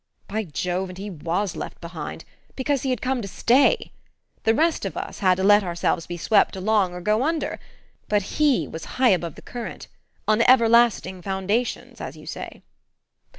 By Jove, and he WAS left behind because he had come to stay! The rest of us had to let ourselves be swept along or go under, but he was high above the current on everlasting foundations, as you say.